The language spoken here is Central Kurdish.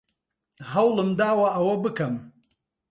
هەوڵم داوە ئەوە بکەم.